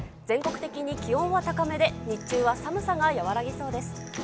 全国的に気温は高めで、日中は寒さが和らぎそうです。